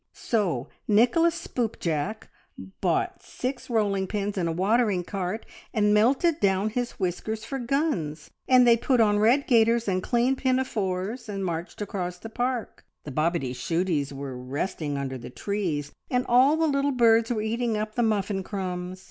So Nicholas Spoopjack bought six rolling pins and a watering cart, and melted down his whiskers for guns, and they put on red gaiters and clean pinafores, and marched across the park. The Bobityshooties were resting under the trees, and all the little birds were eating up the muffin crumbs.